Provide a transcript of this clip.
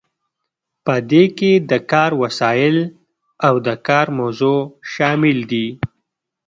په دې کې د کار وسایل او د کار موضوع شامل دي.